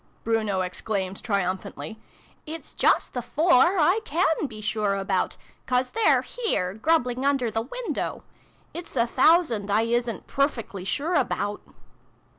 Bruno exclaimed triumphantly. " It's just the four I can be sure about ; 'cause they're here, grub bling under the window! It's the thousand I isn't pruffickly sure about